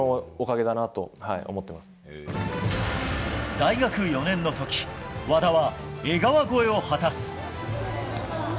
大学４年の時和田は江川超えを果たす。